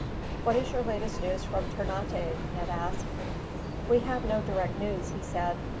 "What is your latest news from Ternate?" Ned asked. "I have no direct news," he said.